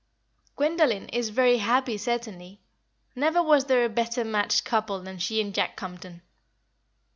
"Gwendoline is very happy, certainly. Never was there a better matched couple than she and Jack Compton."